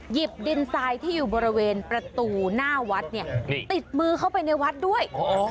หยิบดินทรายที่อยู่บริเวณประตูหน้าวัดเนี่ยติดมือเข้าไปในวัดด้วย